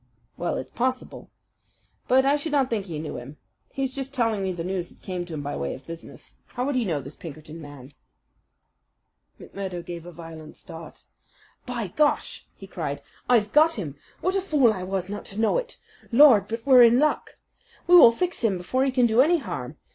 "Well, it's possible. But I should not think he knew him. He is just telling me the news that came to him by way of business. How would he know this Pinkerton man?" McMurdo gave a violent start. "By Gar!" he cried, "I've got him. What a fool I was not to know it. Lord! but we're in luck! We will fix him before he can do any harm.